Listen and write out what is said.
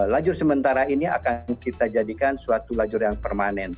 lajur sementara ini akan kita jadikan suatu lajur yang permanen